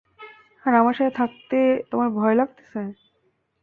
আর আমার সাথে থাকতে তোমার ভয় লাগতেছে?